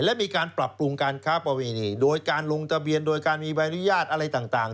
และมีการปรับปรุงการค้าประเวณีโดยการลงทะเบียนโดยการมีใบอนุญาตอะไรต่าง